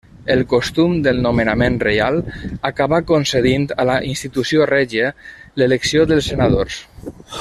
El costum del nomenament reial, acabà concedint a la institució règia l'elecció dels Senadors.